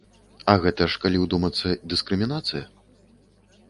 А гэта ж, калі ўдумацца, дыскрымінацыя.